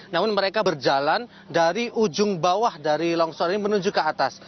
namun mereka berjalan dari ujung bawah dari longsor ini menuju ke atas